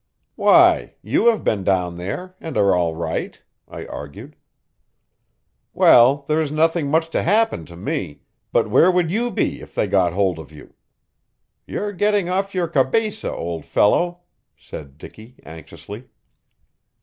"Why, you have been down there and are all right," I argued. "Well, there's nothing much to happen to me, but where would you be if they got hold of you? You're getting off your cabesa, old fellow," said Dicky anxiously.